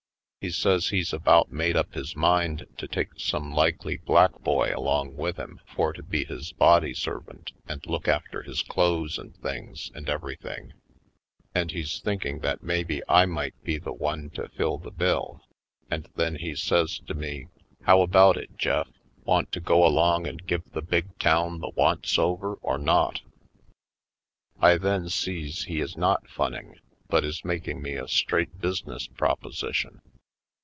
He says he's about made up his mind to take some likely black boy along with him for to be his body servant and look after his clothes and things and everything and he's thinking that maybe I might be the one to fill the bill ; and then he says to me : "How about it, Jeff — ^want to go along 18 /. Poindexter^ Colored and give the big town the once over or not?" I then sees he is not funning but is mak ing me a straight business proposition.